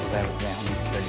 本当に。